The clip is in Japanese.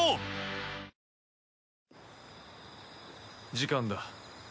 時間だ。